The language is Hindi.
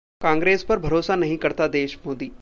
कांग्रेस पर भरोसा नहीं करता देश:मोदी